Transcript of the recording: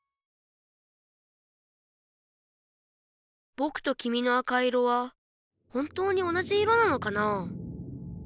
ぼくときみの赤色は本当に同じ色なのかなあ？